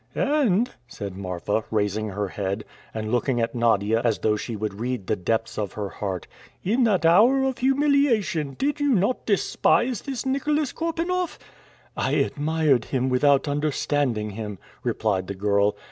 "And," said Marfa, raising her head and looking at Nadia as though she would read the depths of her heart, "in that hour of humiliation did you not despise this Nicholas Korpanoff?" "I admired without understanding him," replied the girl.